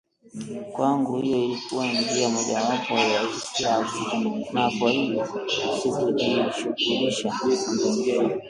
Kwangu, hiyo ilikuwa njia mojawapo ya isirafu na kwa hivyo sikujishugulisha